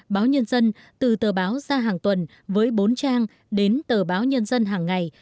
báo nhân dân từ tờ báo ra hàng tuần với bốn trang đến tờ báo nhân dân hàng ngày